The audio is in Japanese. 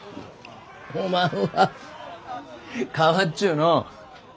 おまんは変わっちゅうのう。